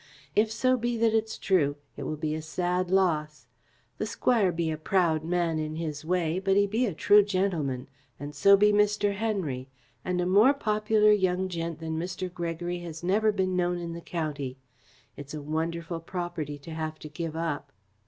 If so be that it's true, it will be a sad loss. The Squire be a proud man in his way, but he be a true gentleman, and so be Mr. Henry, and a more popular young gent than Mr. Gregory has never been known in the county. It's a wonderful property to have to give up."